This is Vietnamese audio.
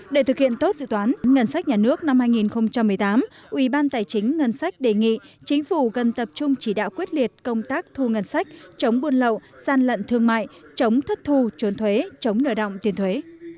để thực hiện tốt dự toán ngân sách nhà nước năm hai nghìn một mươi tám ủy ban tài chính ngân sách đề nghị chính phủ cần tập trung chỉ đạo quyết liệt công tác thu ngân sách chống buôn lậu gian lận thương mại chống thất thu trốn thuế chống nợ động tiền thuế